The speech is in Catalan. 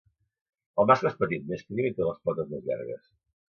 El mascle és petit, més prim, i té les potes més llargues.